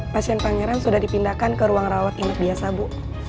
pasien pangeran sudah dipindahkan ke ruang rawat inap biasa bu